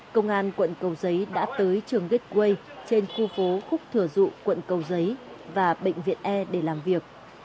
công an quận cầu giấy đã tới trường gateway trên khu phố khúc thừa dụ quận cầu giấy và bệnh viện e để làm việc